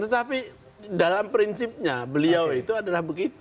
tetapi dalam prinsipnya beliau itu adalah begitu